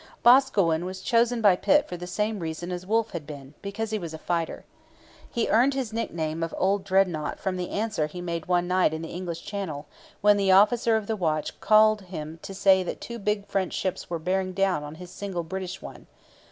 Boscawen was chosen by Pitt for the same reason as Wolfe had been, because he was a fighter. He earned his nickname of 'Old Dreadnought' from the answer he made one night in the English Channel when the officer of the watch called him to say that two big French ships were bearing down on his single British one.